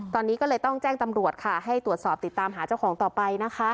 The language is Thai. ตอนนี้ก็เลยต้องแจ้งตำรวจค่ะให้ตรวจสอบติดตามหาเจ้าของต่อไปนะคะ